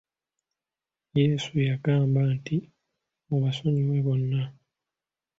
Yesu yagamba nti mubasonyiwe bonna.